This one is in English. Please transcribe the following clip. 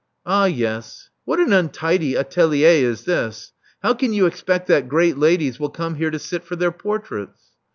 Ah yes. What an untidy atelier is this! How can you expect that great ladies will come here to sit for their portraits?"